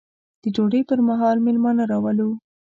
د ډوډۍ پر مهال مېلمانه راولو.